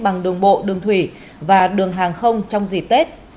bằng đường bộ đường thủy và đường hàng không trong dịp tết